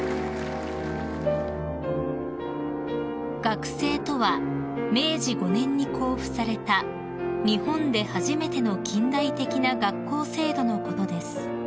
［学制とは明治５年に公布された日本で初めての近代的な学校制度のことです］